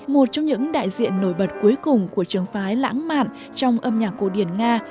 một trong những đại diện nổi bật cuối cùng của trường phái lãng mạn trong âm nhạc cổ điển nga